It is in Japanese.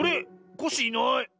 コッシーいない。